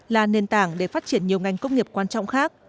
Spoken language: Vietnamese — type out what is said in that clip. là nền tảng để phát triển nhiều ngành công nghiệp quan trọng khác